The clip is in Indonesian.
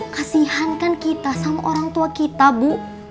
kasihankan kita sama orang tua kita bu